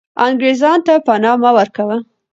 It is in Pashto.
انګریزانو ته پنا مه ورکوه.